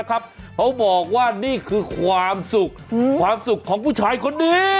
เขาบอกว่านี่คือความสุขความสุขของผู้ชายคนนี้